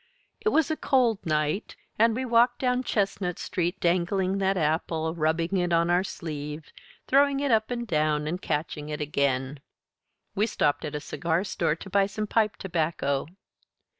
It was a cold night, and we walked down Chestnut street dangling that apple, rubbing it on our sleeve, throwing it up and down and catching it again. We stopped at a cigar store to buy some pipe tobacco.